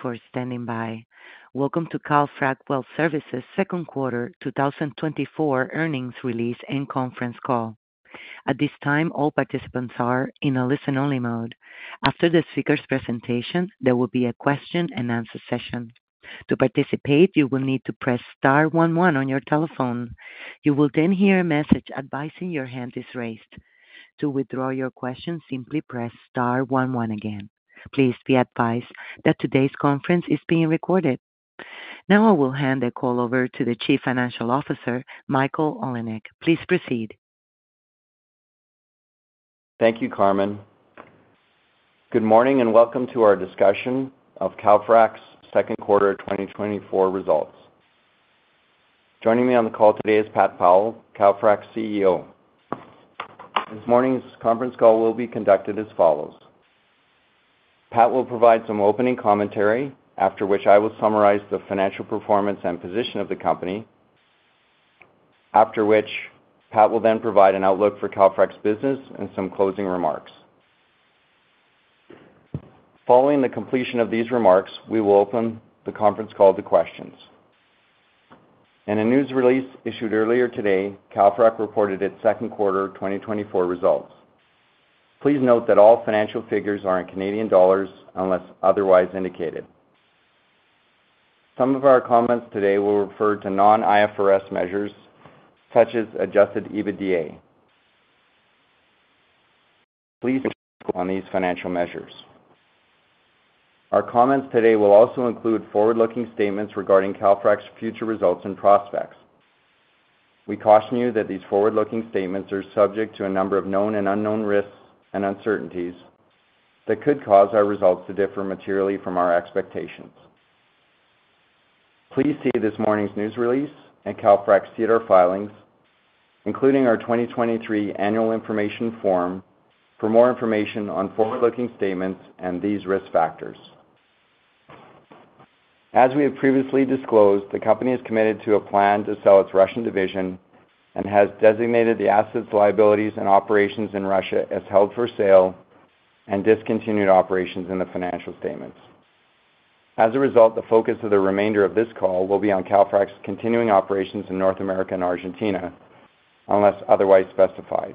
For standing by. Welcome to Calfrac Well Services Second Quarter 2024 Earnings Release and Conference Call. At this time, all participants are in a listen-only mode. After the speaker's presentation, there will be a question-and-answer session. To participate, you will need to press star one one on your telephone. You will then hear a message advising your hand is raised. To withdraw your question, simply press star one one again. Please be advised that today's conference is being recorded. Now, I will hand the call over to the Chief Financial Officer, Michael Olinek. Please proceed. Thank you, Carmen. Good morning and welcome to our discussion of Calfrac's second quarter 2024 results. Joining me on the call today is Pat Powell, Calfrac CEO. This morning's conference call will be conducted as follows. Pat will provide some opening commentary, after which I will summarize the financial performance and position of the company. After which, Pat will then provide an outlook for Calfrac's business and some closing remarks. Following the completion of these remarks, we will open the conference call to questions. In a news release issued earlier today, Calfrac reported its second quarter 2024 results. Please note that all financial figures are in Canadian dollars unless otherwise indicated. Some of our comments today will refer to non-IFRS measures, such as Adjusted EBITDA. Please pay attention to these financial measures. Our comments today will also include forward-looking statements regarding Calfrac's future results and prospects. We caution you that these forward-looking statements are subject to a number of known and unknown risks and uncertainties that could cause our results to differ materially from our expectations. Please see this morning's news release and Calfrac's SEDAR filings, including our 2023 annual information form, for more information on forward-looking statements and these risk factors. As we have previously disclosed, the company is committed to a plan to sell its Russian division and has designated the assets, liabilities, and operations in Russia as held for sale and discontinued operations in the financial statements. As a result, the focus of the remainder of this call will be on Calfrac's continuing operations in North America and Argentina unless otherwise specified.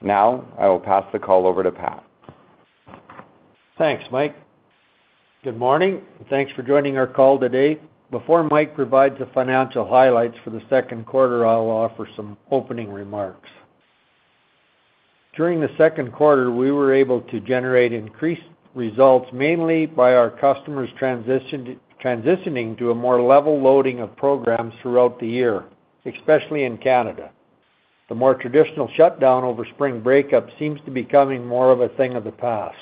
Now, I will pass the call over to Pat. Thanks, Mike. Good morning and thanks for joining our call today. Before Mike provides the financial highlights for the second quarter, I'll offer some opening remarks. During the second quarter, we were able to generate increased results mainly by our customers transitioning to a more level loading of programs throughout the year, especially in Canada. The more traditional shutdown over Spring breakup seems to be becoming more of a thing of the past.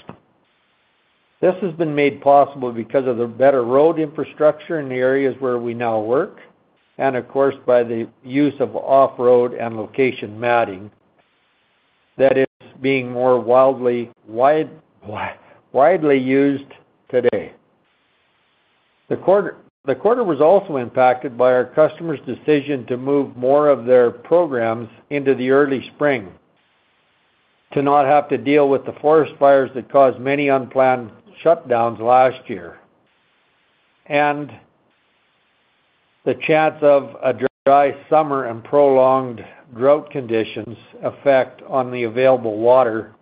This has been made possible because of the better road infrastructure in the areas where we now work and, of course, by the use of off-road and location matting that is being more widely used today. The quarter was also impacted by our customers' decision to move more of their programs into the early spring to not have to deal with the forest fires that caused many unplanned shutdowns last year. The chance of a dry summer and prolonged drought conditions affect on the available water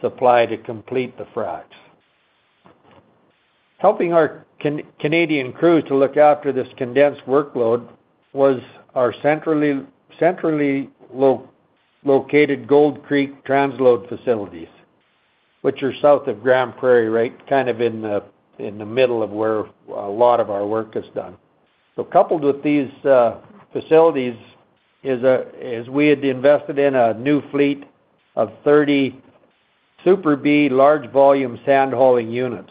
supply to complete the fracs. Helping our Canadian crews to look after this condensed workload was our centrally located Gold Creek Transload Facilities, which are south of Grande Prairie, right kind of in the middle of where a lot of our work is done. So coupled with these facilities is we had invested in a new fleet of 30 Super B large volume sand hauling units.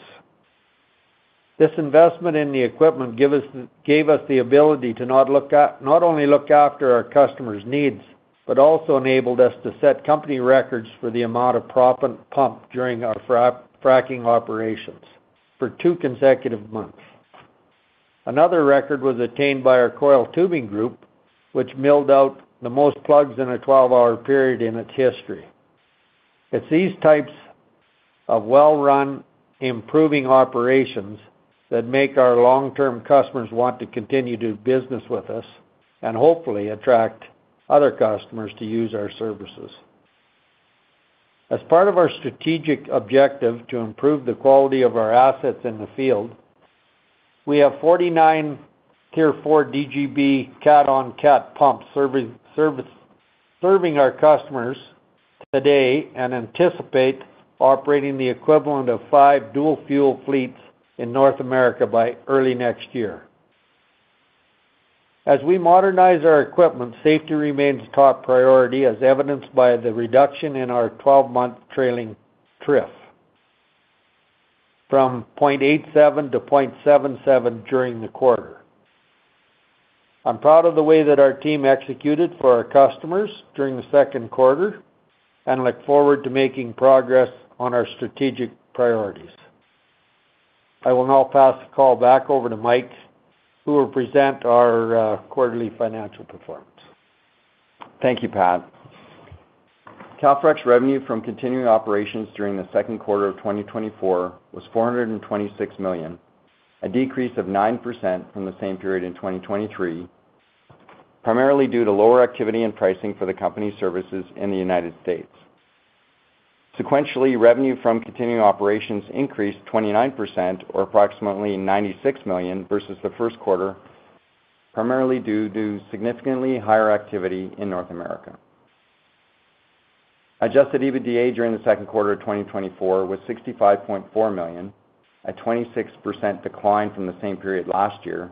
This investment in the equipment gave us the ability to not only look after our customers' needs, but also enabled us to set company records for the amount of proppant pumped during our fracking operations for two consecutive months. Another record was attained by our coil tubing group, which milled out the most plugs in a 12-hour period in its history. It's these types of well-run, improving operations that make our long-term customers want to continue to do business with us and hopefully attract other customers to use our services. As part of our strategic objective to improve the quality of our assets in the field, we have 49 Tier 4 DGB Cat-on-Cat pumps serving our customers today and anticipate operating the equivalent of 5 dual fuel fleets in North America by early next year. As we modernize our equipment, safety remains a top priority, as evidenced by the reduction in our 12-month trailing TRIF from 0.87 to 0.77 during the quarter. I'm proud of the way that our team executed for our customers during the second quarter and look forward to making progress on our strategic priorities. I will now pass the call back over to Mike, who will present our quarterly financial performance. Thank you, Pat. Calfrac's revenue from continuing operations during the second quarter of 2024 was 426 million, a decrease of 9% from the same period in 2023, primarily due to lower activity and pricing for the company's services in the United States. Sequentially, revenue from continuing operations increased 29%, or approximately 96 million versus the first quarter, primarily due to significantly higher activity in North America. Adjusted EBITDA during the second quarter of 2024 was 65.4 million, a 26% decline from the same period last year,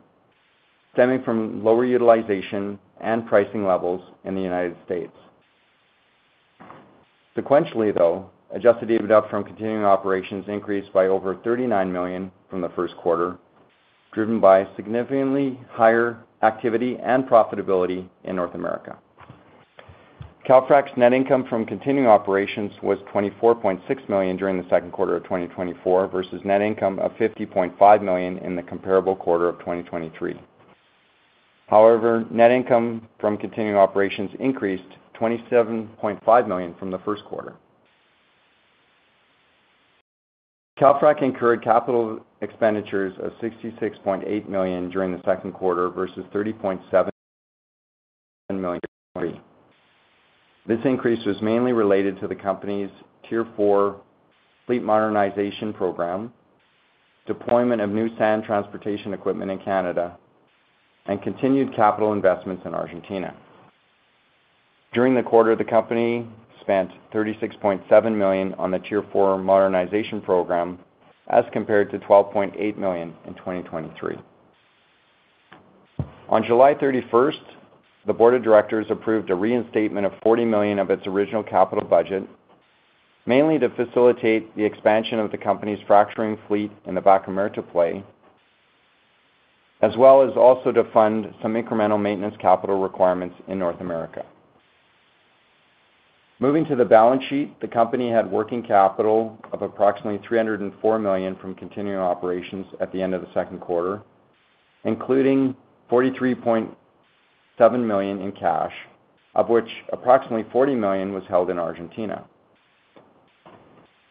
stemming from lower utilization and pricing levels in the United States. Sequentially, though, adjusted EBITDA from continuing operations increased by over 39 million from the first quarter, driven by significantly higher activity and profitability in North America. Calfrac's net income from continuing operations was 24.6 million during the second quarter of 2024 versus net income of 50.5 million in the comparable quarter of 2023. However, net income from continuing operations increased 27.5 million from the first quarter. Calfrac incurred capital expenditures of 66.8 million during the second quarter versus 30.7 million in 2023. This increase was mainly related to the company's Tier 4 fleet modernization program, deployment of new sand transportation equipment in Canada, and continued capital investments in Argentina. During the quarter, the company spent 36.7 million on the Tier 4 modernization program as compared to 12.8 million in 2023. On July 31st, the board of directors approved a reinstatement of 40 million of its original capital budget, mainly to facilitate the expansion of the company's fracturing fleet in the Vaca Muerta play, as well as also to fund some incremental maintenance capital requirements in North America. Moving to the balance sheet, the company had working capital of approximately 304 million from continuing operations at the end of the second quarter, including 43.7 million in cash, of which approximately 40 million was held in Argentina.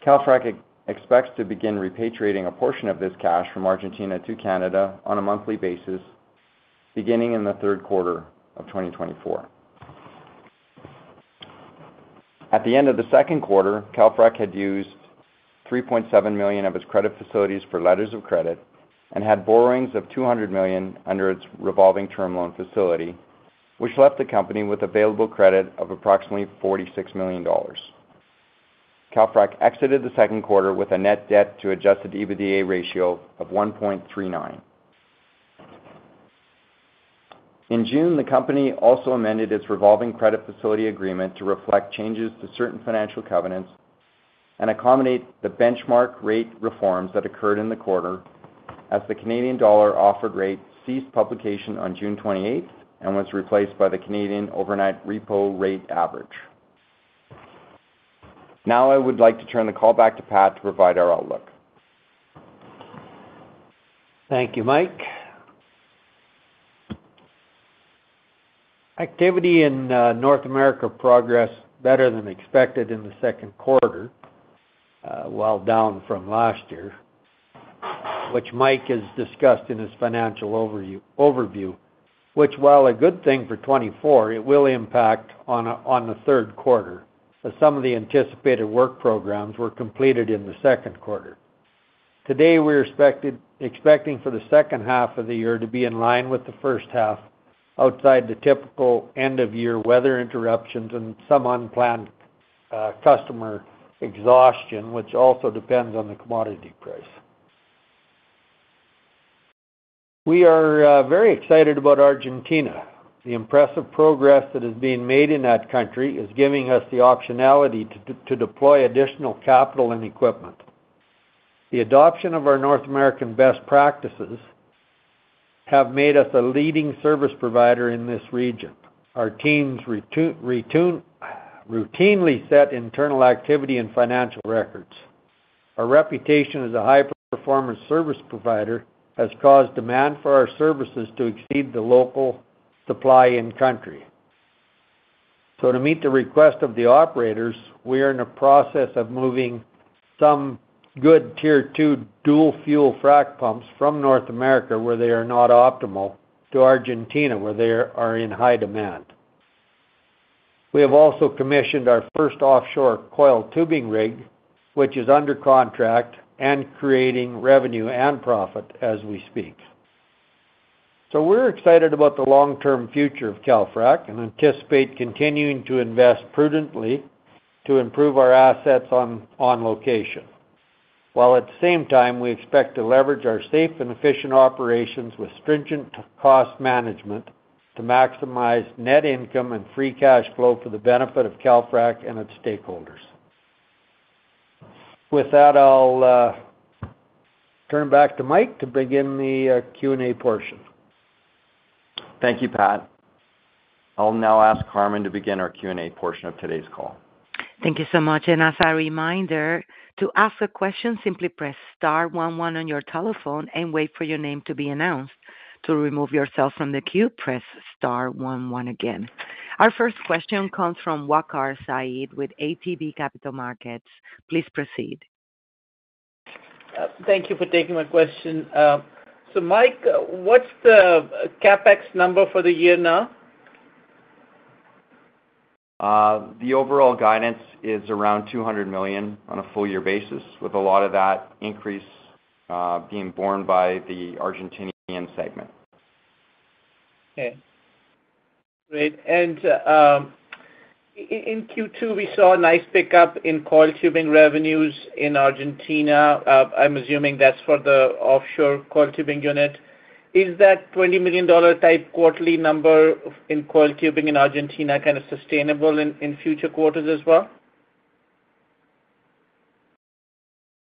Calfrac expects to begin repatriating a portion of this cash from Argentina to Canada on a monthly basis, beginning in the third quarter of 2024. At the end of the second quarter, Calfrac had used 3.7 million of its credit facilities for letters of credit and had borrowings of 200 million under its revolving term loan facility, which left the company with available credit of approximately 46 million dollars. Calfrac exited the second quarter with a net debt to Adjusted EBITDA ratio of 1.39. In June, the company also amended its revolving credit facility agreement to reflect changes to certain financial covenants and accommodate the benchmark rate reforms that occurred in the quarter, as the Canadian Dollar Offered Rate ceased publication on June 28th and was replaced by the Canadian Overnight Repo Rate Average. Now, I would like to turn the call back to Pat to provide our outlook. Thank you, Mike. Activity in North America progressed better than expected in the second quarter, well down from last year, which Mike has discussed in his financial overview, which, while a good thing for 2024, it will impact on the third quarter, as some of the anticipated work programs were completed in the second quarter. Today, we are expecting for the second half of the year to be in line with the first half, outside the typical end-of-year weather interruptions and some unplanned customer exhaustion, which also depends on the commodity price. We are very excited about Argentina. The impressive progress that is being made in that country is giving us the optionality to deploy additional capital and equipment. The adoption of our North American best practices has made us a leading service provider in this region. Our teams routinely set internal activity and financial records. Our reputation as a high-performance service provider has caused demand for our services to exceed the local supply in country. So, to meet the request of the operators, we are in the process of moving some good Tier 2 dual fuel frac pumps from North America, where they are not optimal, to Argentina, where they are in high demand. We have also commissioned our first offshore coil tubing rig, which is under contract and creating revenue and profit as we speak. So, we're excited about the long-term future of Calfrac and anticipate continuing to invest prudently to improve our assets on location. While at the same time, we expect to leverage our safe and efficient operations with stringent cost management to maximize net income and free cash flow for the benefit of Calfrac and its stakeholders. With that, I'll turn back to Mike to begin the Q&A portion. Thank you, Pat. I'll now ask Carmen to begin our Q&A portion of today's call. Thank you so much. As a reminder, to ask a question, simply press star one one on your telephone and wait for your name to be announced. To remove yourself from the queue, press star one one again. Our first question comes from Waqar Syed with ATB Capital Markets. Please proceed. Thank you for taking my question. Mike, what's the CapEx number for the year now? The overall guidance is around 200 million on a full-year basis, with a lot of that increase being borne by the Argentinian segment. Okay. Great. And in Q2, we saw a nice pickup in coiled tubing revenues in Argentina. I'm assuming that's for the offshore coiled tubing unit. Is that $20 million type quarterly number in coiled tubing in Argentina kind of sustainable in future quarters as well?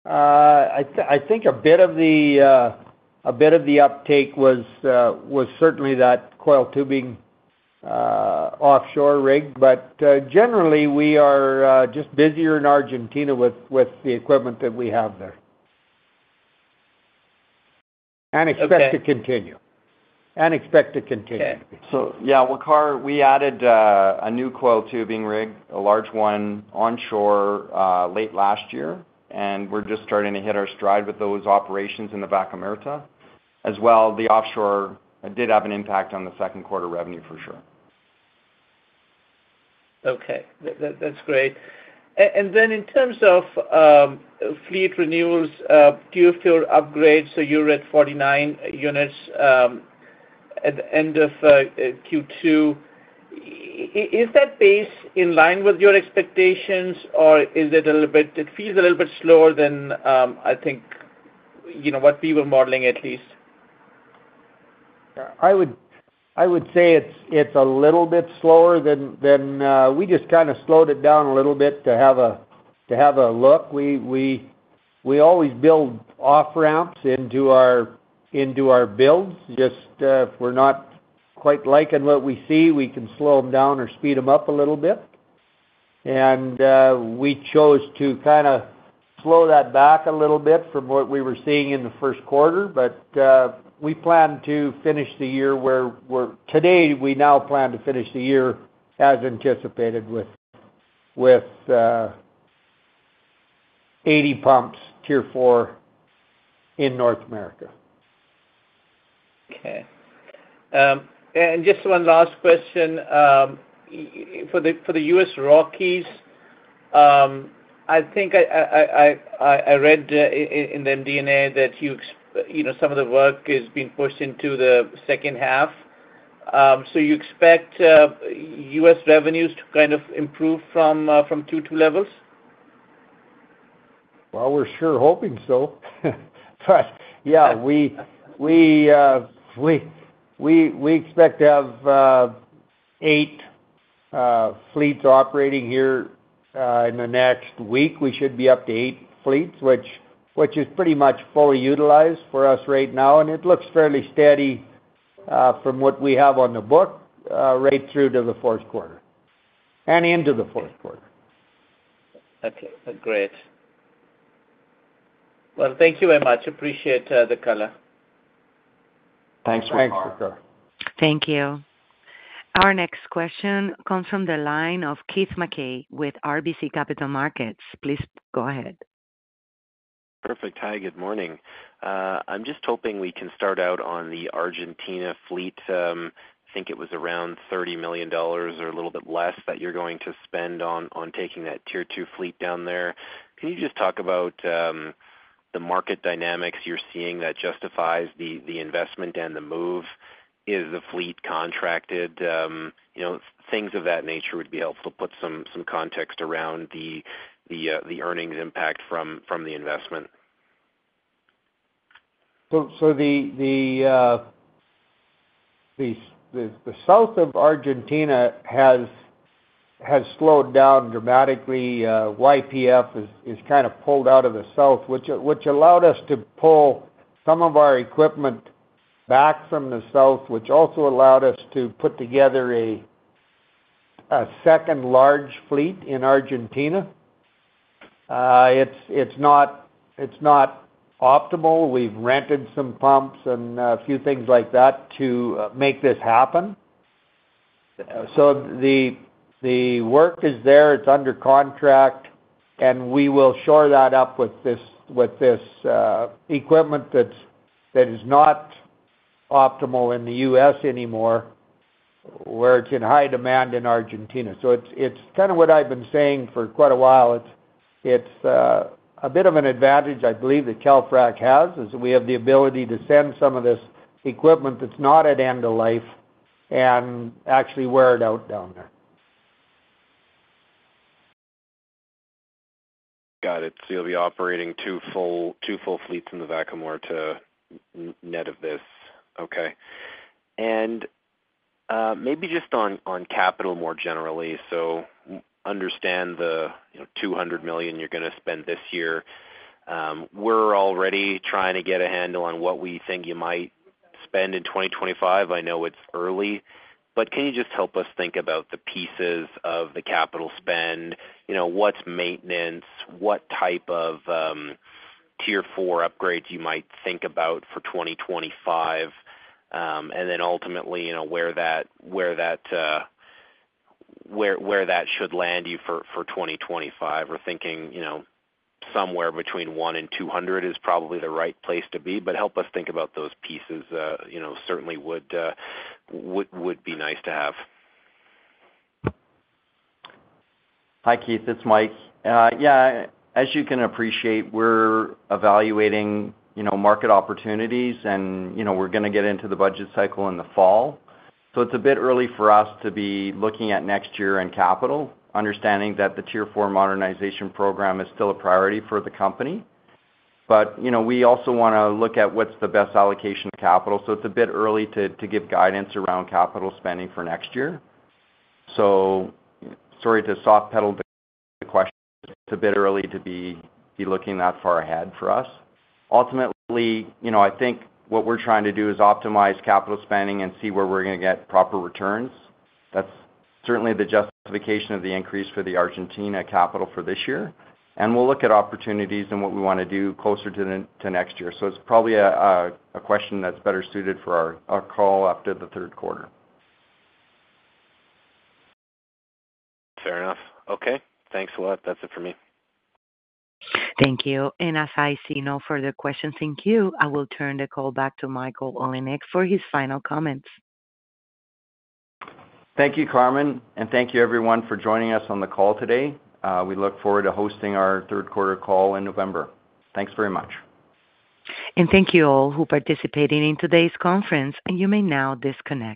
I think a bit of the uptake was certainly that coiled tubing offshore rig, but generally, we are just busier in Argentina with the equipment that we have there and expect to continue. Okay. So, yeah, Waqar, we added a new coil tubing rig, a large one onshore late last year, and we're just starting to hit our stride with those operations in the Vaca Muerta. As well, the offshore did have an impact on the second quarter revenue for sure. Okay. That's great. And then in terms of fleet renewals, do you feel upgrades—so you're at 49 units at the end of Q2—is that in line with your expectations, or is it a little bit—it feels a little bit slower than I think what we were modeling, at least? I would say it's a little bit slower than we just kind of slowed it down a little bit to have a look. We always build off-ramps into our builds. Just if we're not quite liking what we see, we can slow them down or speed them up a little bit. And we chose to kind of slow that back a little bit from what we were seeing in the first quarter, but we plan to finish the year where today we now plan to finish the year as anticipated with 80 pumps, Tier 4, in North America. Okay. And just one last question. For the U.S. Rockies, I think I read in the MD&A that some of the work is being pushed into the second half. So you expect U.S. revenues to kind of improve from Q2 levels? Well, we're sure hoping so. But yeah, we expect to have eight fleets operating here in the next week. We should be up to eight fleets, which is pretty much fully utilized for us right now. And it looks fairly steady from what we have on the book right through to the fourth quarter and into the fourth quarter. Okay. Great. Well, thank you very much. Appreciate the color. Thanks, Waqar. Thank you. Thank you. Our next question comes from the line of Keith Mackey with RBC Capital Markets. Please go ahead. Perfect. Hi, good morning. I'm just hoping we can start out on the Argentina fleet. I think it was around $30 million or a little bit less that you're going to spend on taking that Tier 2 fleet down there. Can you just talk about the market dynamics you're seeing that justifies the investment and the move? Is the fleet contracted? Things of that nature would be helpful to put some context around the earnings impact from the investment. So the south of Argentina has slowed down dramatically. YPF has kind of pulled out of the south, which allowed us to pull some of our equipment back from the south, which also allowed us to put together a second large fleet in Argentina. It's not optimal. We've rented some pumps and a few things like that to make this happen. So the work is there. It's under contract, and we will shore that up with this equipment that is not optimal in the U.S. anymore, where it's in high demand in Argentina. So it's kind of what I've been saying for quite a while. It's a bit of an advantage, I believe, that Calfrac has, is we have the ability to send some of this equipment that's not at end-of-life and actually wear it out down there. Got it. So you'll be operating two full fleets in the Vaca Muerta net of this. Okay. Maybe just on capital more generally, so understand the 200 million you're going to spend this year. We're already trying to get a handle on what we think you might spend in 2025. I know it's early, but can you just help us think about the pieces of the capital spend? What's maintenance? What type of Tier 4 upgrades you might think about for 2025? And then ultimately, where that should land you for 2025? We're thinking somewhere between 1 and 200 is probably the right place to be, but help us think about those pieces. Certainly would be nice to have. Hi, Keith. It's Mike. Yeah, as you can appreciate, we're evaluating market opportunities, and we're going to get into the budget cycle in the fall. So it's a bit early for us to be looking at next year and capital, understanding that the Tier 4 modernization program is still a priority for the company. But we also want to look at what's the best allocation of capital. So it's a bit early to give guidance around capital spending for next year. So sorry to soft-pedal the question. It's a bit early to be looking that far ahead for us. Ultimately, I think what we're trying to do is optimize capital spending and see where we're going to get proper returns. That's certainly the justification of the increase for the Argentina capital for this year. And we'll look at opportunities and what we want to do closer to next year. It's probably a question that's better suited for our call after the third quarter. Fair enough. Okay. Thanks a lot. That's it for me. Thank you. And as I see no further questions, thank you. I will turn the call back to Michael Olinek for his final comments. Thank you, Carmen, and thank you, everyone, for joining us on the call today. We look forward to hosting our third-quarter call in November. Thanks very much. Thank you all who participated in today's conference. You may now disconnect.